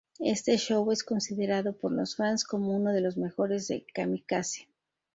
Este show es considerado por los fans como uno de los mejores de "Kamikaze".